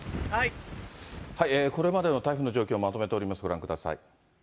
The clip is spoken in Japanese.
これまでの台風の状況をまとめております、ご覧ください。